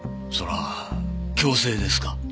それは強制ですか？